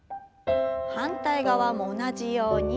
反対側も同じように。